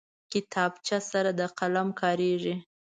کتابچه سره د قلم کارېږي